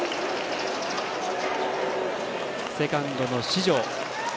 セカンドの四條。